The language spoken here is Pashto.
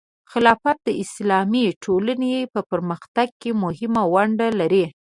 خلافت د اسلامي ټولنې په پرمختګ کې مهمه ونډه لري.